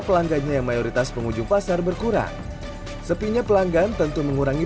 pelanggannya yang mayoritas pengunjung pasar berkurang sepinya pelanggan tentu mengurangi